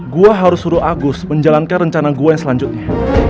gue harus suruh agus menjalankan rencana gue yang selanjutnya